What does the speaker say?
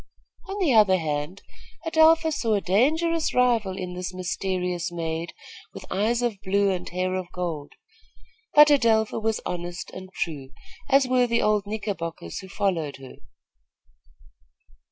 On the other hand, Adelpha saw a dangerous rival in this mysterious maid with eyes of blue and hair of gold; but Adelpha was honest and true, as were the old Knickerbockers who followed her.